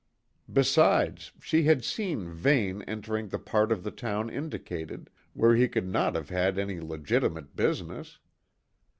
Besides, she had seen Vane entering the part of the town indicated, where he could not have had any legitimate business.